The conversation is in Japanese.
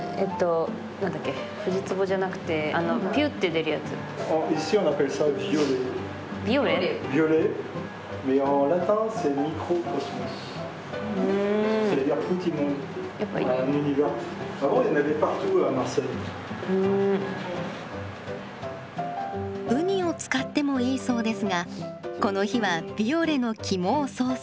何だっけウニを使ってもいいそうですがこの日はヴィオレの肝をソースに。